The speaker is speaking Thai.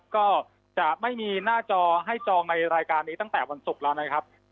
ก็จะไม่มีหน้าจอให้จองในรายการนี้ตั้งแต่วันศุกร์แล้วนะครับ